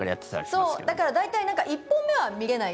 そう、だから大体１本目は見れない。